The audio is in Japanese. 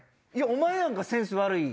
お前やんかセンス悪い。